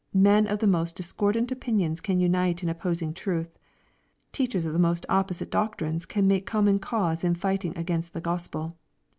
Men of the most discordant opinions can unite in opposing truth. Teachers of the most opposite doctrines can make common cause in fighting against the Gospel.